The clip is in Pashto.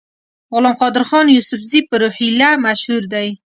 غلام قادرخان یوسفزي په روهیله مشهور دی.